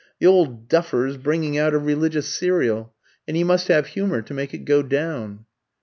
The old duffer's bringing out a religious serial, and he must have humour to make it go down."